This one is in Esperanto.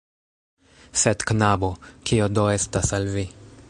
Sed knabo, kio do estas al vi...